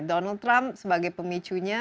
donald trump sebagai pemicunya